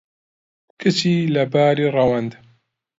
کچی لەباری ڕەوەند